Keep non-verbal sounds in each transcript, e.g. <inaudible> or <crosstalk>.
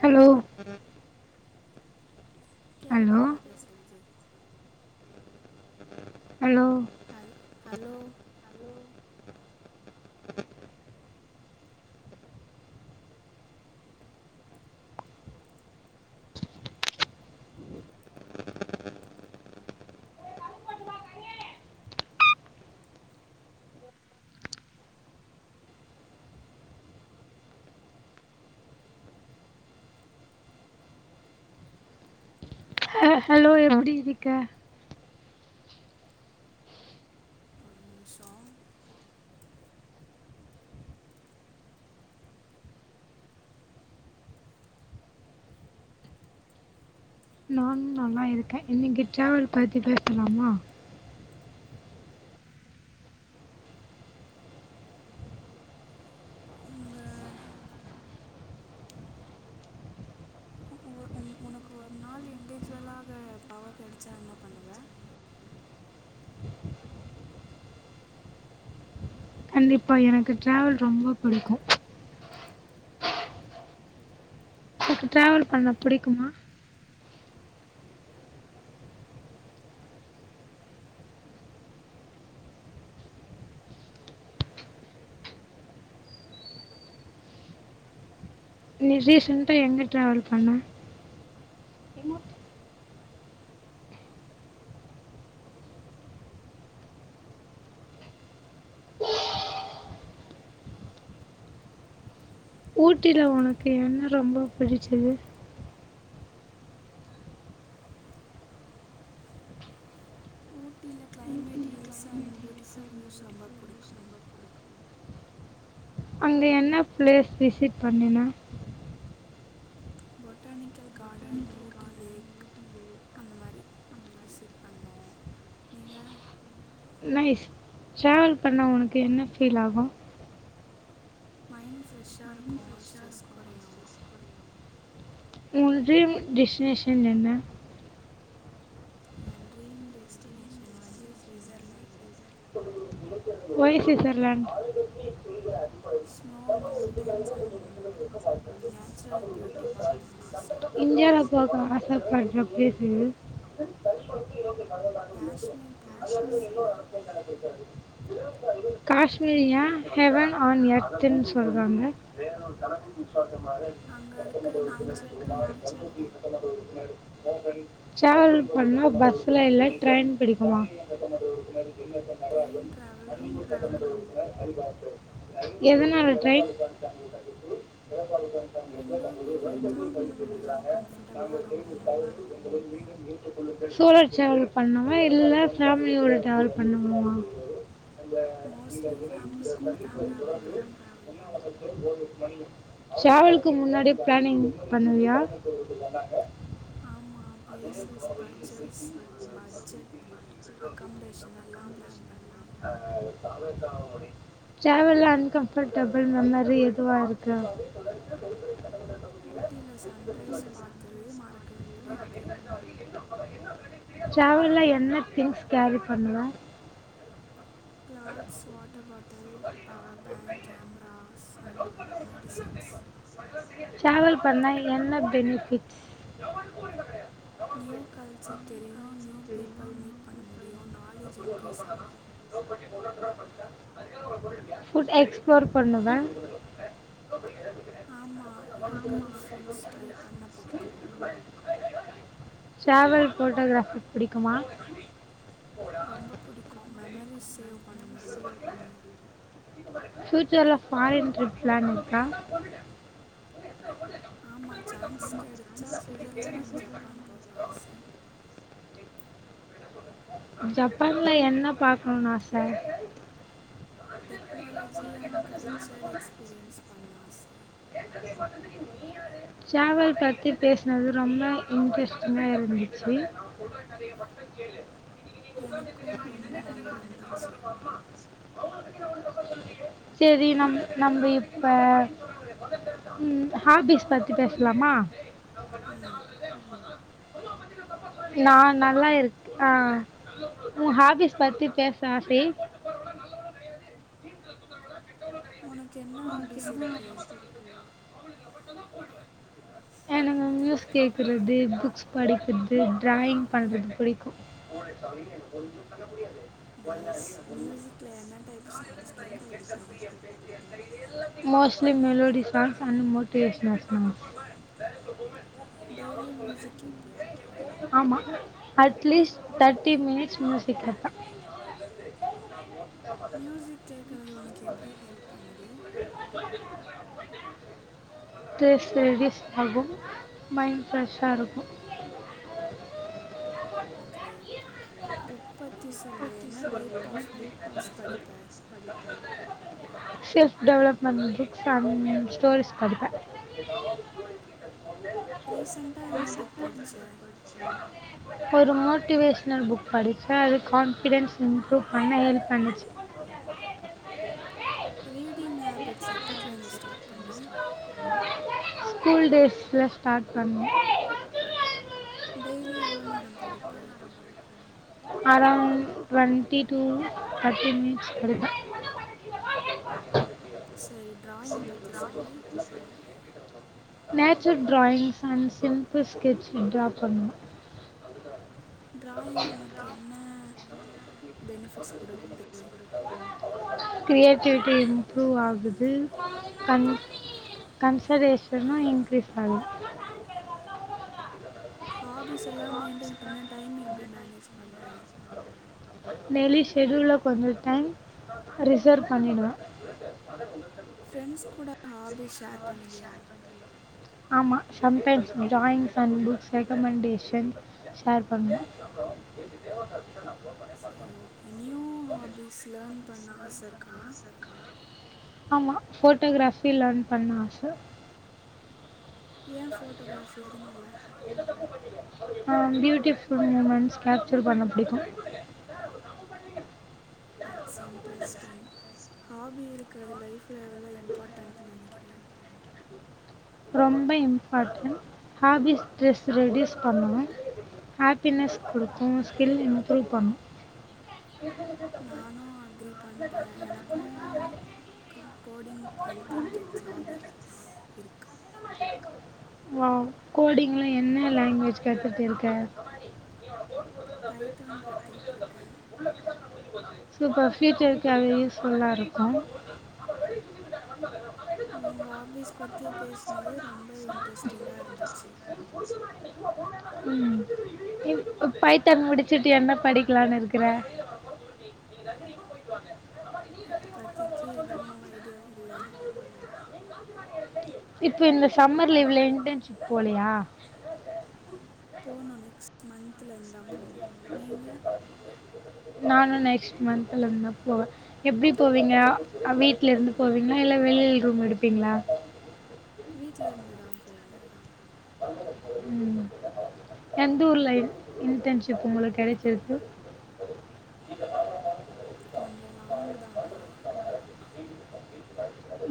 hello hello கேக்குதா நா பேசுனந்து ஹலோ ஹல் ஹலோ ஹ ஹலோ எப்டி இருக்க நிம்சோ நானு நல்லா இருக்க இன்னைக்கு ட்ராவல் பத்தி பேசலாமா உங்கள் உ உன் உனக்கு ஒரு நாள் இண்டிஜுவலாக பவர் கெடச்சா என்ன பண்ணுவ கண்டிப்பா எனக்கு ட்ரவல் ரொம்ப பிடிக்கு இப்ப ட்ராவல் பண்ண புடிக்குமா நீ ரீசன்டா எங்க டிரவல் பண்ண ஊட்டில ஒனக்கு என்ன ரொம்ப பிடிச்சது ஊட்டில climate hills and beautiful views ரொம்ப பிடிக்கும் அங்க என்னா பிளேஸ் விசிட் பண்ணுனா பொட்டானிக்கல் காடன் ஊட்டி லேக் அந்த மாரி விசிட் பண்ணோ நீங்கா சாவல் பண்ண உனக்கு என்னா ஃபீல் ஆகோ மைண்ட் ஃப்ரெஷ்ஷா இருக்கூ ஸ்ட்ரெஸ் கொறையு ஊன் ட்ரீம் டிஸ்டினேஷன் என்ன நான் ட்ரீம் டெஸ்டினேஷன் வந்து Switzerland why Switzerland snow mountains and natural beauty பாக்கணுன்னு ஆச சாபாட்ல பேசு <unintelligible> காஷ்மீர் காஷ்மீர் போக ஆசை <unintelligible> காஷ்மீர யா ஹெவன் ஆன் எர்துன் சொல்றாங்க <unintelligible> அங்கே அங்க இருக்கிற இருக்குற நேச்சுரல் பியூட்டினால தான் நேச்சுரல் <unintelligible> டிராவல் பண்ணா பஸ்ல இல்ல ட்ரெயின் பிடிக்குமா ட்ரெயின் ட்ராவல் ரொம்ப பிடிக்கும் <unintelligible> எதனால ட்ரெயின் விண்டோ வியூ என்ஜாய் பண்ண முடியும் கம்ஃபர்டபுளாக இருக்கும் <unintelligible> சோலோ ட்ரவல் பண்ணமா இல்ல ஃபேமிலியோட ட்ரவல் பண்ணுமா மோஸ்ட்லி ஃபேமிலி கூட தான் ட்ராவல் பண்ணுவேன் <unintelligible> ட்ராவலுக்கு முன்னாடியே பிளானிங் பண்ணுவியா அப்பொழுது வந்தாங்க ஆமாம் பிளேசஸ் பட்ஜெட்ஸ் பட்ஜெட் அக்காமடேஷன் எல்லாம் பிளான் பண்ணுவேன் ட்ராவல்ல அன்கம்பர்டபிள் மெமரி எதுவா இருக்கு ஊட்டியில் சன்ரைஸ் சன் பார்த்தது ரைஸ் மறக்கவே முடியாது பாத்தது மறக்க முடியாது ட்ராவல்ல என்ன திங்ஸ் கேரி பண்ணுவ க்ளாத்ஸ் வாட்டர் பாட்டில் இது power bank cameras and medicines travel பண்ணா என்ன பெனிஃபிட்ஸ் நியூ கல்ச்சர் தெரியும் நியூ பீப்பள் மீட் பண்ண முடியும் நாலேஜ் இன்க்ரீஸ் ஆகும் ட் எக்ஸ்ப்ளோர் பண்ணுவே <inaudible> ஆமா லோக்கல் ஃபுட்ஸ் ட்ரை பண்ண பிடிக்கும் டிராவல் போட்டோகிராபிக் புடிக்குமா ரொம்ப புடிக்கும் மெமரிஸ் தேவ பண்ண முடியும் ப்யூச்சர்ல ஃபாரின் ட்ரிப் பிளான் இருக்கா ஆமா சான்ஸ் கெடைச்சா சுவிட்சர்லாந்து் அண்ட் ஜப்பான் போக ஆசை ஜப்பான்ல என்ன பார்க்கணும்னு ஆச டெக்னாலஜி அண்ட் கல்ச்சர் எக்ஸ்பீரியன்ஸ் பண்ண ஆச டிராவல் பத்தி பேசனது ரொம்ப இன்ட்ரஸ்டிங்கா இருந்துச்சு <inaudible> எனக்கும் ரொம்ப நல்லா இருந்துச்சு சரி நம் நம் இப்ப ம்ஹார்ட் டிஸ்க் பத்தி பேசலாமா ம் நான் நல்லா இருக்கு ஆ உன் ஹாபிஸ் பத்தி பேச ஆச <inaudible> உனக்கு என்ன ஹாபிஸ் இருக்குது எனங்க மியூஸ் கேக்குறது புக்ஸ் படிக்கது டிராயிங் பண்றது புடிக்கும் நைஸ் மியூசிக்கில் என்ன டைப் சாங்ஸ் கேட்க புடிக்கும் mostly melody songs and motivational songs daily music கேட்பியா ஆமா அட்லீஸ்ட் தேட்டி மினிட்ஸ் மியூசிக் கேட்பன் மியூசிக் கேக்குனது உனக்கு எப்படி ஹெல்ப் பண்ணுது தேஸ்லடிஸ் ஆகும் மைண்ட் ஃப்ரெஷா இருக்கும் கிரேட் புக் பத்தி சொல்லு என்ன டைப் ஆப் புக்ஸ் படிப்பே <unintelligible> self development books and stories படிப்ப <inaudible> ரீசெண்டாக என்ன புக் படித்த ஒரு மோட்டிவேஷனல் புக் படிச்ச அது கான்பிடஸ் இப்ரூவ் பண்ண ஹெல்ப் பண்ணுச்சு ரீடிங் ஹேபிட்ஸ் எப்போத்தலந்து ஸ்டார்ட் பண்ணே ஸ்கூல் டேஸ்ல ஸ்டார்ட் பண்ண டெய்லி எவ்ளவு நேரம் படிப்பே அரவுண்ட் டு்வென்டி டூ தேட்டி மினிட்ஸ் படிப்ப சரி டிராயிங் பற்றி சொல்லு <unintelligible> நேச்சரல் டிராயிங்ஸ் அண்ட் சிம்பிள் ஸ்கெட்ச டரா பண்ண டிராயிங் உனக்கு என்ன பெனிஃபிட்ஸ் குடுக்குது கிரியேட்டிவிட்டி புருவாகுது கன் கன்ஷ்வேஷ்னு இன்கீரீஸ் ஆகுது ஹாபீஸ் எல்லா மெயின்டெயின் பண்ண டைம் எப்டி மேனேஜ் பண்ணுறே நெலி ஷெடியூல்லல கொஞ்சோ டைம் ரிசர்வ் பண்ணிடுவே ஃப்ரெண்ட்ஸ் கூட ஹாபி ஷேர் பண்ணுவியா ஆமா சம் டைம்ஸ் ஜான் தம்பு ரெக்கமண்டேஷன் ஷேர் பண்ணுவ சரி ஓகே நியூ ஹாபிஸ் லேர்ன் பண்ண ஆசருக்கா ஆமா போட்டோகிராபி லேன் பண்ண ஆச ஏன் ஃபோட்டோகிராஃபி அதனால எந்த தப்பு பண்ணிங்க ஆ பியூட்டிபல் மூமெண்ட்ஸ் கேப்சர் பண்ண புடிக்கு தட்ஸ் இன்ட்ரஸ்டிங் ஹாபி இருக்கறது லைஃப் ம் எவ்ளோ இம்பார்டன்ட்னு நெனக்கிற ரொம்ப இம்பார்ட்டன் ஹாபிஸ் ஸ்ட்ரெஸ் ரெடியூஸ் பண்ணனு ஹாப்பினஸ் குடுக்கு ஸ்கில் இம்ப்ரூவ் பண்ணும் நானு அக்ரி பண்ற எனக்கும் கோடிங் அண்ட் கிரிக்கெட்ஸ் ஹாபிஸ் இருக்கு வாவ் கோடிங்ல என்ன லாங்வேஜ் கத்துட்டு இருக்க பைத்தான் கத்துட்டுருக்க சூப்பர் ஃபியூச்சருக்கு அது யூஸ்ஃபுல்லா இருக்கும் அது ரொம்ப இன்ட்ரெஸ்டிங்கா இருந்துச்சு ம் இப் பைத்தான் முடிச்சுட்டு என்ன படிக்கலான்னு இருக்குற இப்பத்திக்கி எதுவு ஐடியா இல்ல இப்ப இந்த சம்மர் லீவ்ல இன்டன்ஷிப் போலயா போனு நெக்ஸ்ட் மந்த் <inaudible> நானு நெக்ஸ்ட் மந்த்லேருந்துதா போவ எப்டி போவீங்க வீட்லேருந்து போவீங்களா இல்ல வெளில ரூம் எடுப்பீங்களா வீட்லேருந்துதா போவ ம் எந்தூர்ல இன் இன்டன்ஷிப் உங்களுக் கெடச்சிருக்கு கொஞ்ச லாங்குதா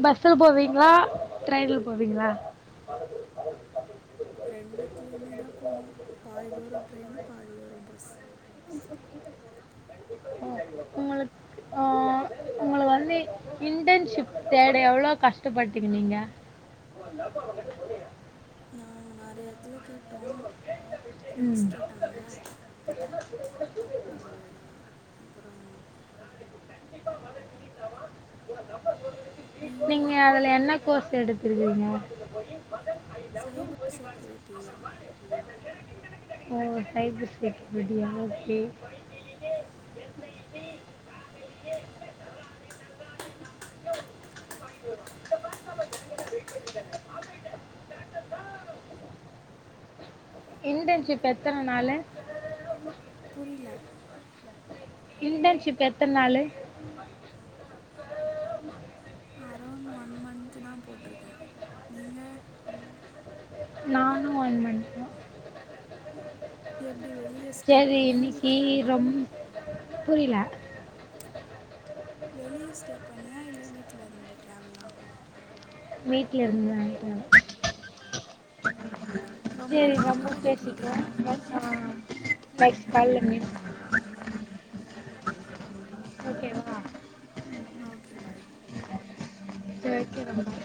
பஸ்ல போவீங்களா ட்ரெயின்ல போவீங்களா ரெண்டுதுலையுமேதா போனோ பாதி தூர ட்ரெயினு பாதி தூர பஸ் ஓ உங்களுக் ஓ உங்கள வந்து இன்டன்ஷிப் தேட எவ்ளோ கஷ்டபட்டிருந்தீங்க நானு நறைய த்துல கேட்டோ ஃப்ரெண்ட்ஸ் ம் கேட்டாங்க அவ்ளதா நீங்க நீங்கள் அதுல என்ன கோர்ஸ் எடுத்துருக்கீங்க சைபர் செக்யூரிட்டியா ஓ சைபர் செக்யூரிட்டியா ஓகே இன்டன்ஷிப் எத்தன நாளு புரில இன்டன்ஷிப் எத்தன் நாளு அரௌண்ட் ஒன் மன்த்துதா போட்ருக்க நீங்க நானு ஒன் மந்த்துதா எப்டி வெளிய ஸ்டே பண்ணியா வீட்லருந்தா புரியில வெளியே ஸ்டே பண்ணியா இல்ல வீட்டுல இருந்து டிரவலா வீட்டு்ல இருந்துதா <unintelligible> ரொம்ப சேரி நாம லாங்காக இல்லை பேசிக்குவோ கிட்டயா <unintelligible> <unintelligible> ஓகே வா ஓகே பாய் செரி ஓகேடா பாய்